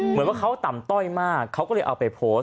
เหมือนว่าเขาต่ำต้อยมากเขาก็เลยเอาไปโพสต์